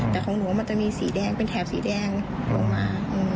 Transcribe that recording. แต่ของหนูมันจะมีสีแดงเป็นแถบสีแดงลงมา